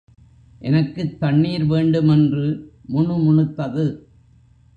எனக்குத் தண்ணீர் வேண்டும் என்று முணுமுணுத்தது.